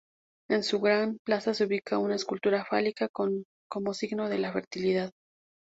En su gran plaza se ubica una escultura fálica como signo de la fertilidad.